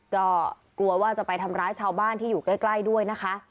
ก็กลัวว่าจะไปทำร้ายชาวบ้านที่อยู่ใกล้ด้วยนะคะ